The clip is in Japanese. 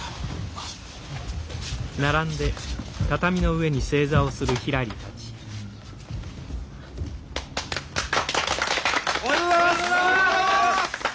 おめでとうございます！